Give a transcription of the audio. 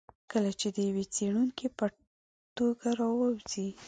کله چې د یوه څېړونکي په توګه راووځي.